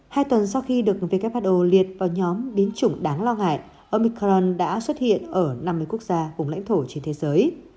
hai tuần sau khi được who liệt vào nhóm biến chủng đáng lo ngại omicron đã xuất hiện ở năm mươi quốc gia cùng lãnh thổ trên thế giới